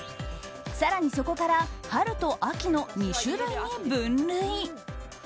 更にそこから春と秋の２種類に分類。